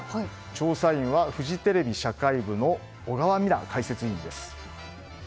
調査員は、フジテレビ社会部の小川美那解説委員です。